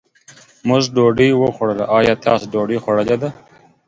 مونږ ډوډۍ وخوړله، ايا تاسو ډوډۍ خوړلې ده؟